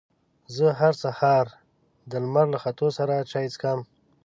زه هر سهار د لمر له ختو سره چای څښم.